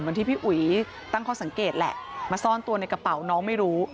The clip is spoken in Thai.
ที่พี่อุ๋ยตั้งข้อสังเกตแหละมาซ่อนตัวในกระเป๋าน้องไม่รู้